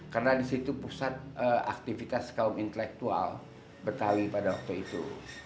karena di situ pusat aktivitas kaum intelektual betawi pada waktu itu